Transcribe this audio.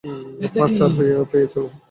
পাঁচে চার পেয়েছে ও!